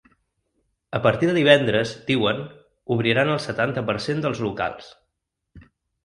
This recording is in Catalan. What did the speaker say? A partir de divendres, diuen, obriran el setanta per cent dels locals.